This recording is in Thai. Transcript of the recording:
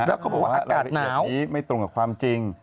แล้วเขาบอกว่ารายละเอียดนี้ไม่ตรงกับความจริง